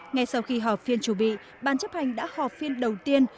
ngay sau khi họp phiên chủ bị ban chấp hành đã họp phiên đầu tiên